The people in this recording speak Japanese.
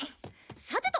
さてと。